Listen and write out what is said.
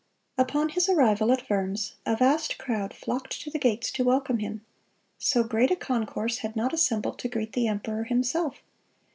(210) Upon his arrival at Worms, a vast crowd flocked to the gates to welcome him. So great a concourse had not assembled to greet the emperor himself.